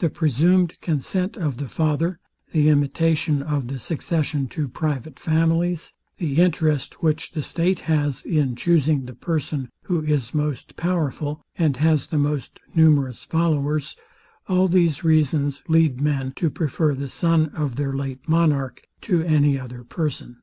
The presumed consent of the father, the imitation of the succession to private families, the interest, which the state has in chusing the person, who is most powerful, and has the most numerous followers; all these reasons lead men to prefer the son of their late monarch to any other person.